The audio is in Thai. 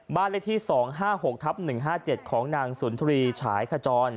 บ้านเลขที่๒๕๖ทับ๑๕๗ของนางสุนทรีฉายขจร